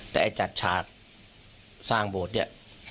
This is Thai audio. แต่จัดฉากสร้างโบสถ์เนี่ย